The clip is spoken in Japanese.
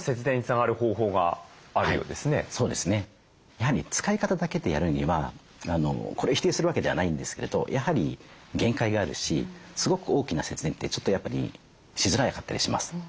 やはり使い方だけでやるにはこれを否定するわけではないんですけどやはり限界があるしすごく大きな節電ってちょっとやっぱりしづらかったりします。